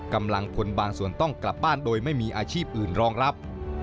กำลังพลบางส่วนต้องกลับบ้านโดยไม่มีอาชีพอื่นรองรับ